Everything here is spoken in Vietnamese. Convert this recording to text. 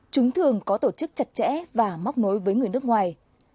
chúng thường có tổ chức chặt chẽ và móc nối